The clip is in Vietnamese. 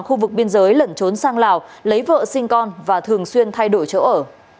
khu vực biên giới lẩn trốn sang lào lấy vợ sinh con và thường xuyên thay đổi chỗ ở